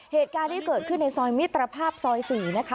เหตุการณ์ที่เกิดขึ้นในซอยมิตรภาพซอย๔นะคะ